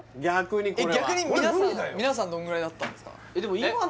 逆に皆さんどんぐらいだったんですか？